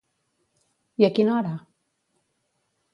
I a quina hora?